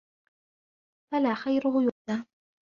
فَلَا خَيْرُهُ يُرْجَى